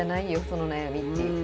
その悩みっていう。